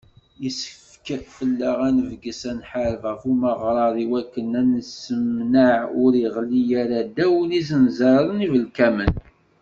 Yessefk fell-aɣ ad nebges, ad nḥareb ɣef umeɣrad iwakken ad t-nessemneɛ ur iɣelli ara ddaw n yizenẓaren ibelkamen.